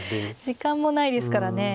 時間もないですからね。